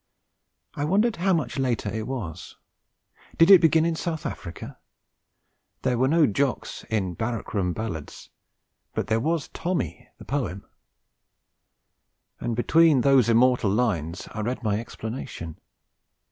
I wondered how much later it was. Did it begin in South Africa? There were no Jocks in Barrack Room Ballads; but there was 'Tommy,' the poem; and between those immortal lines I read my explanation.